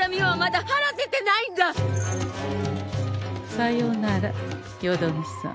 さようならよどみさん。